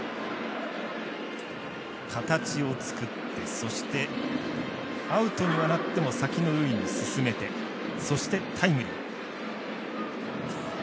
形を作ってそしてアウトにはなっても先の塁に進めてそしてタイムリー。